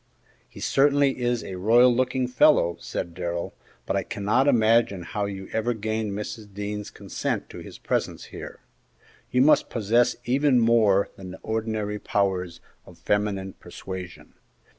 "He certainly is a royal looking fellow," said Darrell, "but I cannot imagine how you ever gained Mrs. Dean's consent to his presence here. You must possess even more than the ordinary powers of feminine persuasion."